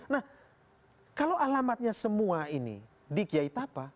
nah kalau alamatnya semua ini di kiai tapa